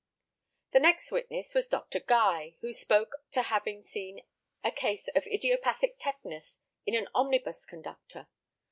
The next witness was Dr. Guy, who spoke to having seen a case of idiopathic tetanus in an omnibus conductor.